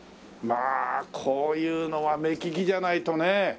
まあこういうのは目利きじゃないとね。